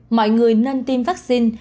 mọi người nên tiêm vaccine